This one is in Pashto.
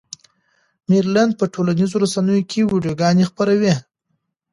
مېرلن په ټولنیزو رسنیو کې ویډیوګانې خپروي.